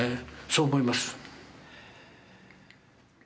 そう思います。